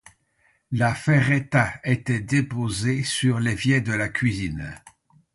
La ferreta était déposée sur l'évier de la cuisine.